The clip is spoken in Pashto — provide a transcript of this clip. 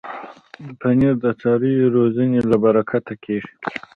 پنېر د څارویو روزنې له برکته کېږي.